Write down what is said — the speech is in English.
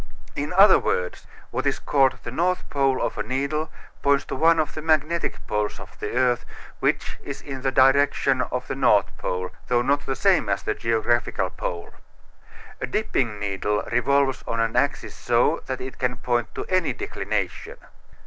In other words, what is called the north pole of a needle points to one of the magnetic poles of the earth which is in the direction of the north pole, though not the same as the geographical pole. A dipping needle revolves on an axis so that it can point to any declination.